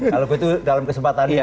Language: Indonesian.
kalau begitu dalam kesempatan ini